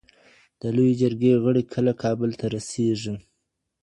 د لویې جرګي غړي کله کابل ته رسیږي؟